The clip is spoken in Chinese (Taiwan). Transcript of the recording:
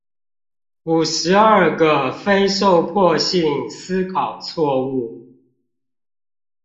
五十二個非受迫性思考錯誤